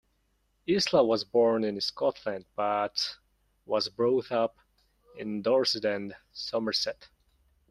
Isla was born in Scotland but was brought up in Dorset and Somerset.